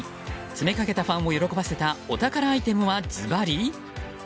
詰めかけたファンを喜ばせたお宝アイテムはずばり？